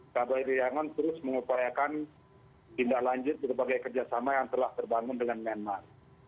kbri yangon terus mengupayakan tindak lanjut berbagai kerjasama yang telah terbangun dengan myanmar